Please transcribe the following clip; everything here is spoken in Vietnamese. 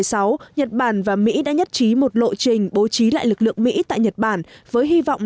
năm hai nghìn một mươi sáu nhật bản và mỹ đã nhất trí một lộ trình bố trí lại lực lượng mỹ tại nhật bản với hy vọng